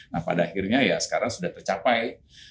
nah pada akhirnya ya sekarang sudah tercapai